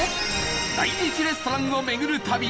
来日レストランを巡る旅